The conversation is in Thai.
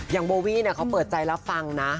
โบวี่เขาเปิดใจรับฟังนะ